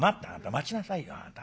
待ちなさいよあなた。